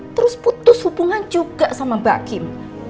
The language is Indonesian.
terus putus hubungan juga sama mbak kim